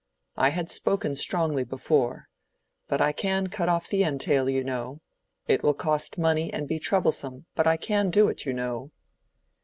I had spoken strongly before. But I can cut off the entail, you know. It will cost money and be troublesome; but I can do it, you know."